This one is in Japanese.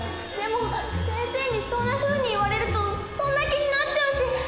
でも先生にそんなふうに言われるとそんな気になっちゃうし。